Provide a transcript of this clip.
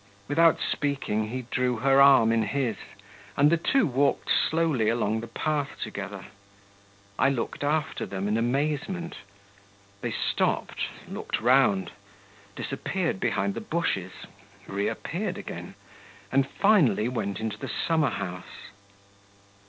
Without speaking, he drew her arm in his, and the two walked slowly along the path together. I looked after them in amazement. They stopped, looked round, disappeared behind the bushes, reappeared again, and finally went into the summer house.